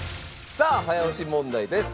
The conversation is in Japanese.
さあ早押し問題です。